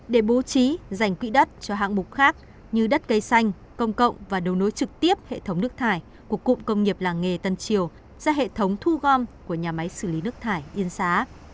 để bố trí dành quỹ đất cho hạng mục khác như đất cây xanh công cộng và đấu nối trực tiếp hệ thống nước thải của cụm công nghiệp làng nghề tân triều ra hệ thống thu gom của nhà máy xử lý nước thải yên xá